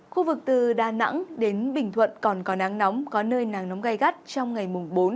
khu vực từ đà nẵng đến bình thuận còn có nắng nóng có nơi nắng nóng gai gắt trong ngày mùng bốn